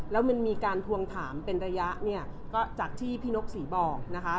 แล้วมันมีการทวงถามเป็นระยะเนี่ยก็จากที่พี่นกศรีบอกนะคะ